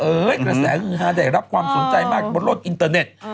เอ้ยกระแสคือหาแต่รับความสนใจมากบนโลกอินเทอร์เน็ต